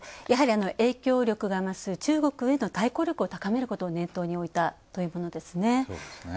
やはり、影響力が増す中国への対抗力を高めることを念頭に置いたというものですね。